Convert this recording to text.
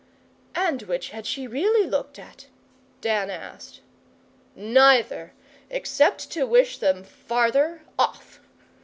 'And which had she really looked at?' Dan asked. 'Neither except to wish them farther off.